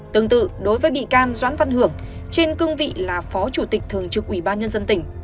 tương tự đối với bị can doãn văn hưởng trên cương vị là phó chủ tịch thường trực ubnd tỉnh